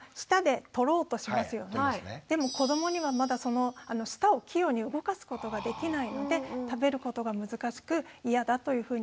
でも子どもにはまだその舌を器用に動かすことができないので食べることが難しく嫌だというふうに判断してしまいます。